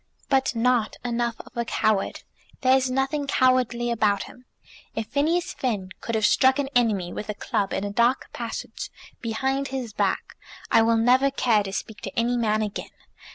"But not enough of a coward. There is nothing cowardly about him. If Phineas Finn could have struck an enemy with a club, in a dark passage, behind his back, I will never care to speak to any man again.